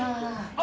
あ。